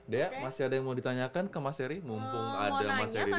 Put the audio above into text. dea masih ada yang mau ditanyakan ke mas eri mumpung ada mas heri